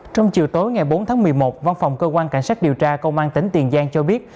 trong chiều tối ngày bốn tháng một mươi một văn phòng cơ quan cảnh sát điều tra công an tỉnh tiền giang cho biết